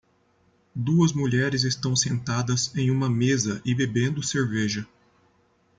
Duas mulheres estão sentadas em uma mesa e bebendo cerveja.